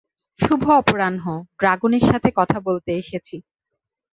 শুভ অপরাহ্ন, ড্রাগনের সাথে কথা বলতে এসেছি।